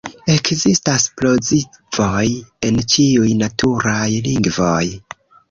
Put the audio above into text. Ekzistas plozivoj en ĉiuj naturaj lingvoj.